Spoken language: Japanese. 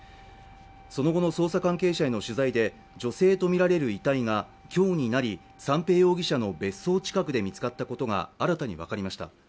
その後の捜査関係者への取材で、女性とみられる遺体が今日になり、三瓶容疑者の別荘近くで見つかったことが新たに分かりました。